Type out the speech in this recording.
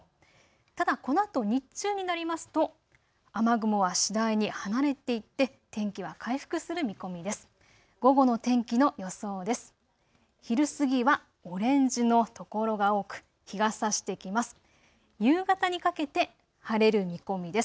ただ、このあと日中になりますと雨雲は次第に離れていって天気は回復する見込みです。